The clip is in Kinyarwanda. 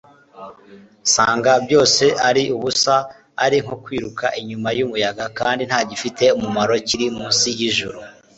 nsanga byose ari ubusa, ari nko kwiruka inyuma y'umuyaga, kandi nta gifite umumaro kiri munsi y'ijuru